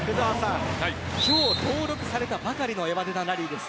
今日登録されたばかりのエバデダン・ラリーです。